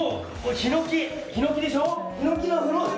ヒノキでしょ。